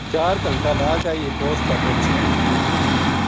چار گھنٹا لا کے یہ پوسٹ تا پوہچایا